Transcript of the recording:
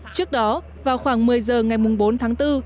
trước đó vào khoảng một mươi giờ ngày bốn tháng bốn